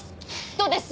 どうです？